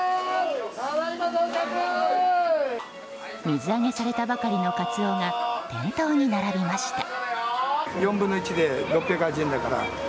水揚げされたばかりのカツオが店頭に並びました。